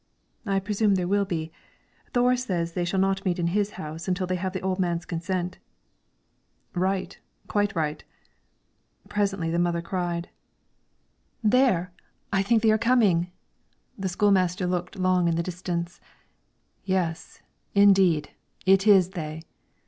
"I presume there will be. Thore says they shall not meet in his house until they have the old man's consent." "Right, quite right." Presently the mother cried, "There! I think they are coming." The school master looked long in the distance. "Yes, indeed! it is they."